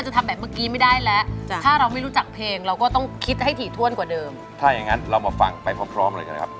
ถ้าอยากงั้นเรามาฟังกันครับ